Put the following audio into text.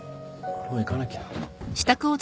もう行かなきゃ。